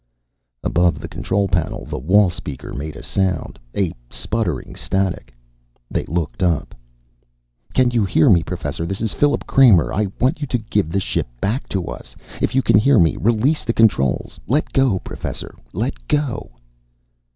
Above the control panel the wall speaker made a sound, a sputtering static. They looked up. "Can you hear me, Professor. This is Philip Kramer. I want you to give the ship back to us. If you can hear me, release the controls! Let go, Professor. Let go!"